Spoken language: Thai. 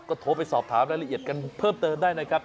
ก็โทรไปสอบถามรายละเอียดกันเพิ่มเติมได้นะครับ